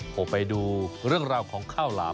ผมไปดูเรื่องราวของข้าวหลาม